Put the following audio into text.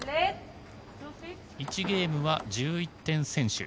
１ゲームは１１点先取。